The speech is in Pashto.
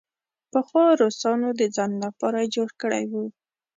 پخوا روسانو د ځان لپاره جوړ کړی وو.